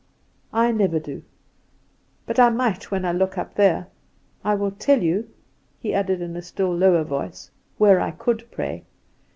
"I never do; but I might when I look up there. I will tell you," he added, in a still lower voice, "where I could pray.